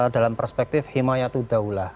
dalam perspektif himayatul daulah